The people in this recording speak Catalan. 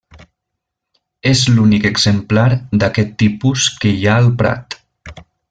És l'únic exemplar d'aquest tipus que hi ha al Prat.